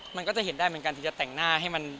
มันก็จะเห็นได้เหมือนกันที่จะแต่งหน้าให้มัน